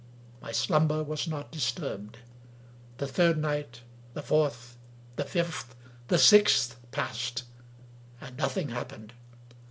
My slum ber was not disturbed. The third night, the fourth, the fifth, the sixth, passed, and nothing happened.